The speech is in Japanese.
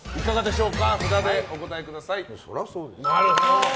札でお答えください。